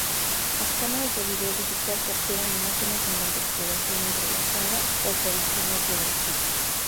Las cámaras de vídeo digital capturan imágenes mediante exploración entrelazada o por escaneo progresivo.